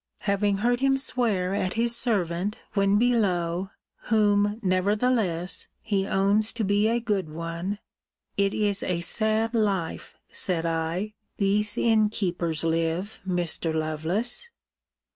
Having heard him swear at his servant, when below, whom, nevertheless, he owns to be a good one; it is a sad life, said I, these innkeepers live, Mr. Lovelace.